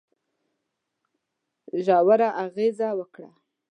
ژوره اغېزه وکړه.